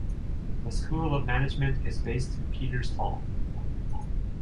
The School of Management is based in Peters Hall.